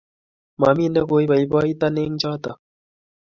Mami nekoipoipoiton eng' chotok